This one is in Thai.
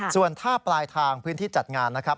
ส่วนท่าปลายทางพื้นที่จัดงานนะครับ